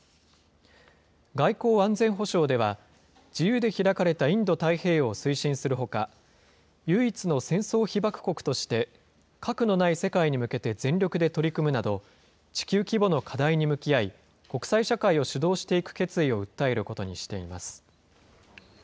外交・安全保障では、自由で開かれたインド太平洋を推進するほか、唯一の戦争被爆国として、核のない世界に向けて全力で取り組むなど、地球規模の課題に国際社会を主導していく決意を訴えることにしています。